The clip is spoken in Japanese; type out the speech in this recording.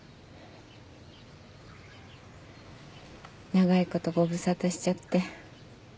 長いことご無沙汰しちゃって。